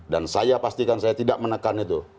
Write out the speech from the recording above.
dan saya pastikan saya tidak menekan itu